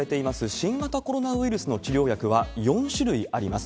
新型コロナウイルスの治療薬は４種類あります。